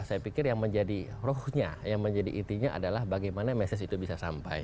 saya pikir yang menjadi rohnya yang menjadi intinya adalah bagaimana message itu bisa sampai